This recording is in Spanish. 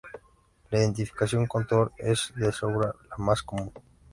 La identificación con Thor es de sobra la más común.